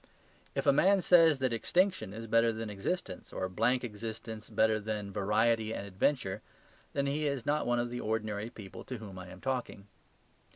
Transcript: If a man says that extinction is better than existence or blank existence better than variety and adventure, then he is not one of the ordinary people to whom I am talking.